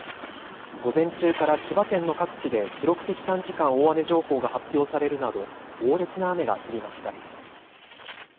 午前中から千葉県の各地で記録的短時間大雨情報が発表されるなど猛烈な雨が降りました。